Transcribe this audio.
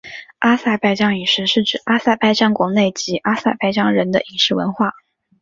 阿塞拜疆饮食是指阿塞拜疆国内及阿塞拜疆人的饮食文化。